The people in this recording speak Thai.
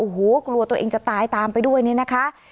โอ้โหกลัวตัวเองจะตายตามไปด้วยเนี่ยนะคะ